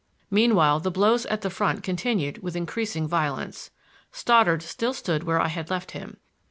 Meanwhile the blows at the front continued with increasing violence. Stoddard still stood where I had left him.